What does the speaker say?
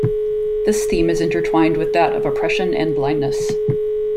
This theme is intertwined with that of oppression and blindness.